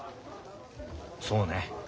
そうね。